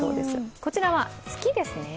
こちらは月ですね？